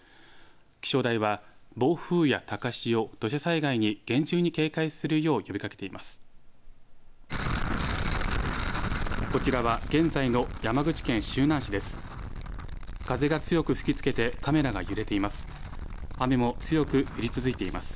気象台は暴風や高潮、土砂災害に厳重に警戒するよう呼びかけています。